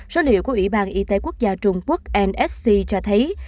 số liệu của ủy ban y tế quốc gia trung quốc nsc cho thấy